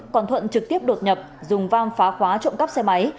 quang thuận trực tiếp đột nhập dùng vang phá khóa trộm cắp xe máy